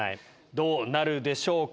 どうなるでしょうか？